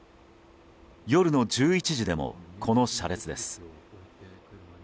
夜の１１時でも、この車列です。